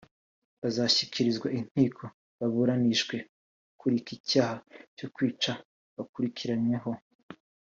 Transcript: bazashyikirizwa inkiko baburanishwe kuri iki cyaha cyo kwica bakurikiranyweho